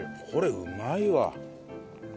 これうまいわ。